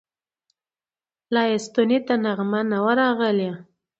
لا یې ستوني ته نغمه نه وه راغلې